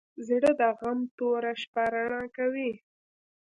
زړه د غم توره شپه رڼا کوي.